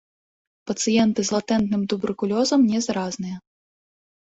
Пацыенты з латэнтным туберкулёзам не заразныя.